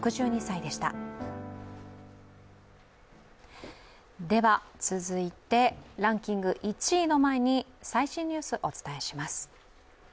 では続いてランキング１位の前に最新ニュース、お伝えします。